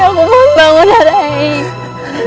aku mohon bangun raimu